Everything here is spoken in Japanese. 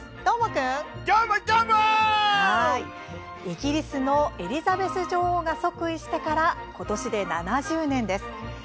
イギリスのエリザベス女王が即位してからことしで７０年です。